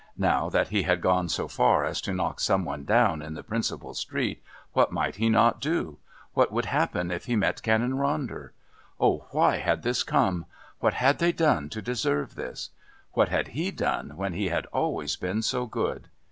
Now that he had gone so far as to knock some one down in the principal street, what might he not do? What would happen if he met Canon Ronder? Oh! why had this come? What had they done to deserve this? What had he done when he had always been so good?